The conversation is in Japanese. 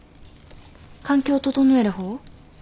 環境を整える方？